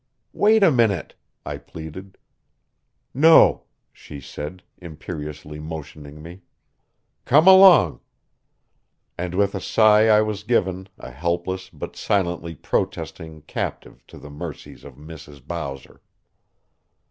"Wait a minute," I pleaded. "No," she said, imperiously motioning me. "Come along." And with a sigh I was given, a helpless, but silently protesting, captive, to the mercies of Mrs. Bowser.